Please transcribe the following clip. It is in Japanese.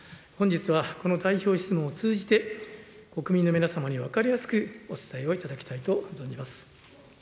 本日はこの代表質問を通じて、国民の皆様に分かりやすくお伝えをいただきたいと存じます。